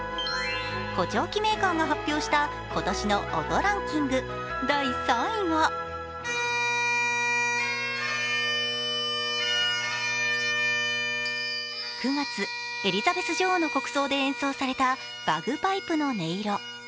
補聴器メーカーが発表した、今年の音ランキング、第３位は９月、エリザベス女王の国葬で演奏されたバグパイプの音色。